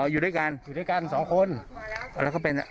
อยู่ด้วยกันอยู่ด้วยกันสองคนแล้วก็เป็น